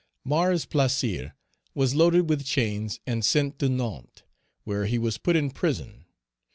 Mars Plaisir was loaded with chains and sent to Nantes, where he was put in prison.